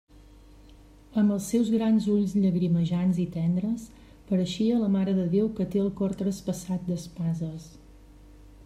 Amb els seus grans ulls llagrimejants i tendres, pareixia la Mare de Déu que té el cor traspassat d'espases.